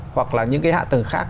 hoặc là những cái hạ tầng khác